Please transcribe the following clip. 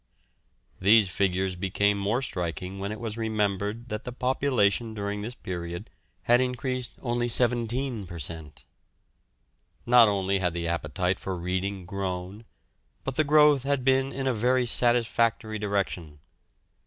These figures became more striking when it was remembered that the population during this period had increased only 17 per cent. Not only had the appetite for reading grown, but the growth had been in a very satisfactory direction.